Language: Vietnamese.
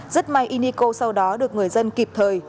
rất may y niko sau đó được người dân kịp thời